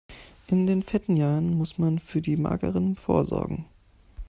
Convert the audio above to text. In den fetten Jahren muss man für die mageren vorsorgen.